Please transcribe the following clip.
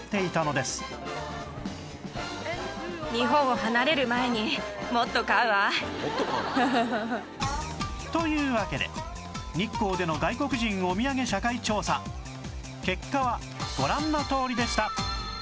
こちらの「もっと買うの？」というわけで日光での外国人おみやげ社会調査結果はご覧のとおりでした